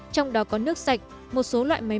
trong đó có nước sạch một số loại máy